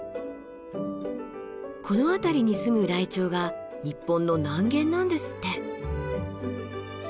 この辺りに住むライチョウが日本の南限なんですって。